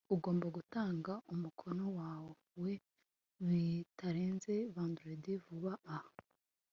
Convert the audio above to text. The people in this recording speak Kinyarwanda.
ugomba gutanga umukoro wawe bitarenze vendredi, vuba aha